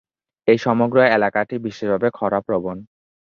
এই সমগ্র এলাকাটি বিশেষভাবে খরা প্রবণ।